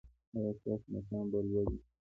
ایا ستاسو مقام به لوړ وي؟